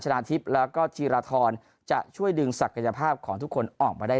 นาทิพย์แล้วก็จีราธรจะช่วยดึงศักยภาพของทุกคนออกมาได้